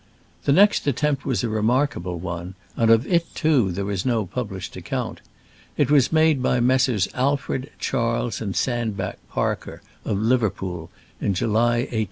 The next attempt was a remarkable one ; and of it, too, there is no publish ed account. It was made by Messrs. Alfred, Charles and Sandbach Parker, of Liverpool, in July, i860.